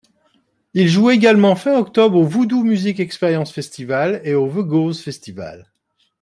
Ils jouent également fin octobre au Voodoo Music Experience Festival et au Vegoose Festival.